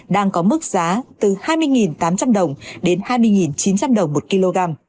đang có mức giá từ hai mươi tám trăm linh đồng đến hai mươi chín trăm linh đồng